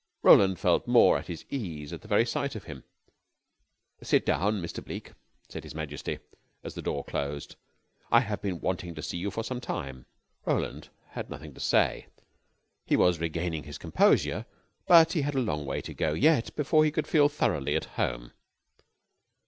Roland felt more at his ease at the very sight of him. "Sit down, Mr. Bleke," said His Majesty, as the door closed. "I have been wanting to see you for some time." Roland had nothing to say. He was regaining his composure, but he had a long way to go yet before he could feel thoroughly at home.